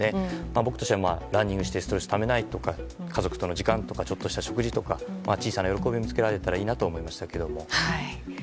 僕としてはランニングしてストレスをためないとか家族との時間とかちょっとした食事とか小さな喜びを見つけられたらいいなと思いましたけれども。